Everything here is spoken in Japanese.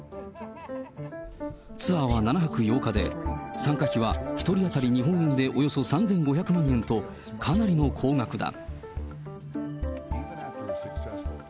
ツアーは７泊８日で参加費は１人当たり日本円でおよそ３５００万円と、かなりの高額だ。